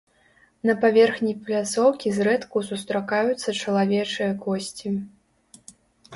На паверхні пляцоўкі зрэдку сустракаюцца чалавечыя косці.